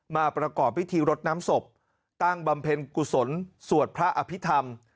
มาประกอบพิธีรดน้ำศพตั้งบำเพ็ญกุศลสวดพระอภิษฐรรม